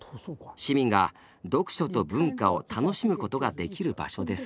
市民が読書と文化を楽しむことができる場所です。